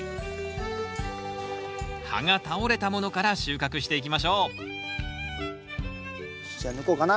葉が倒れたものから収穫していきましょうじゃあ抜こうかな。